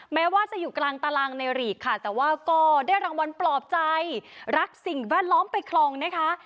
แม้ว่าจะอยู่กลางตารางในหลีกค่ะแต่ว่าก็ได้รางวัลปลอบใจรักสิ่งแวดล้อมไปคลองนะคะ